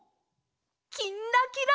「きんらきら」。